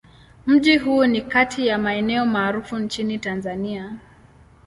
Mji huu ni kati ya maeneo maarufu nchini Tanzania.